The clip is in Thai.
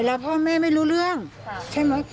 แล้วพ่อแม่ไม่รู้เรื่องใช่ไหม